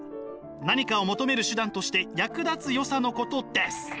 何かを求める手段として役立つよさのことです。